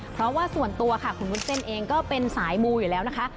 เพราะว่าส่วนตัวค่ะคุณวุ้นเส้นเองก็เป็นสายมูอยู่แล้วนะคะ